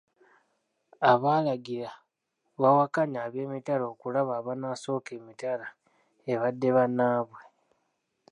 Abalagira bawakanye ab'emitala okulaba abanaasooka emitala ebadde bannaabwe.